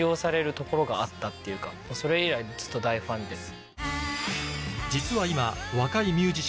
それ以来ずっと大ファンです。